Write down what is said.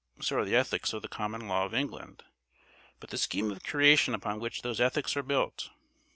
So are the ethics of the common law of England. But the scheme of creation upon which those ethics are built!